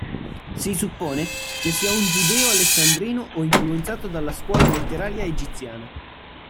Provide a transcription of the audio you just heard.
Si suppone che sia un giudeo alessandrino o influenzato dalla scuola letteraria egiziana.